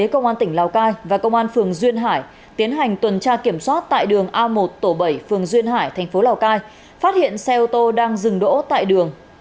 công an tỉnh lào cai và công an phường duyên hải tiến hành tuần tra kiểm soát tại đường a một tổ bảy phường duyên hải thành phố lào cai phát hiện xe ô tô đang dừng đỗ tại đường